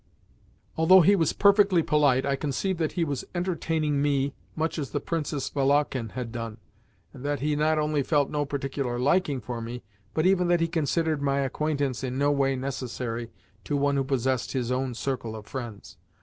Although he was perfectly polite, I conceived that he was "entertaining" me much as the Princess Valakhin had done, and that he not only felt no particular liking for me, but even that he considered my acquaintance in no way necessary to one who possessed his own circle of friends.